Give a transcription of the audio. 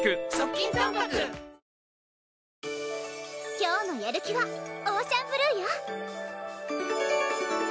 今日のやる気はオーシャンブルーよ